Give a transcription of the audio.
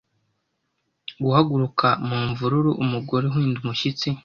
Guhaguruka mu mvururu Umugore uhinda umushyitsi